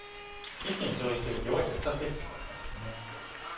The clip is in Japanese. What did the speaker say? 一気に白石弱い石が２つできてしまったんですね。